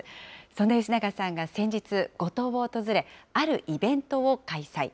そんな吉永さんが先日、五島を訪れ、あるイベントを開催。